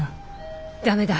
駄目だ。